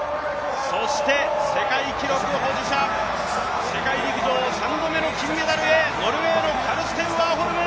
そして、世界記録保持者、世界陸上３度目への金メダルへ、ノルウェーのカルステン・ワーホルム。